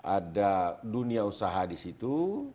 ada dunia usaha di situ